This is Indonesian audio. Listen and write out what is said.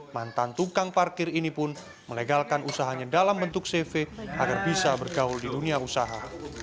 mantan tukang parkir ini pun melegalkan usahanya dalam bentuk cv agar bisa bergaul di dunia usaha